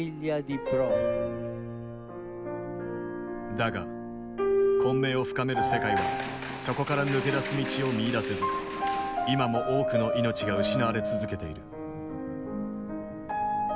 だが混迷を深める世界はそこから抜け出す道を見いだせず今も多くの命が失われ続けている。